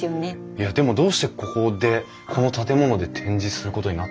いやでもどうしてここでこの建物で展示することになったんですか？